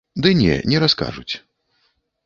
Ды не, не раскажуць.